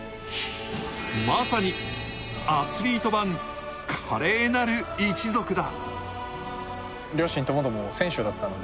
まさに、アスリート版、華麗なる一族だ。